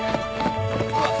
うわっ！